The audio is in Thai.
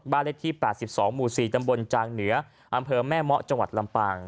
เลขที่๘๒หมู่๔ตำบลจางเหนืออำเภอแม่เมาะจังหวัดลำปาง